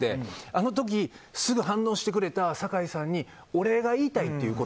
あの時、すぐ反応してくれた酒井さんにお礼が言いたいと。